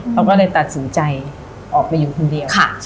เขาก็เลยตัดสินใจออกไปอยู่คนเดียว